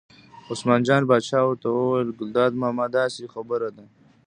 عثمان جان پاچا ورته وویل: ګلداد ماما داسې خبره ده.